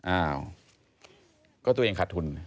อ้าวก็ตัวเองขาดทุน